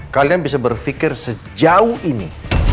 kalian bisa berpikir sejauh ini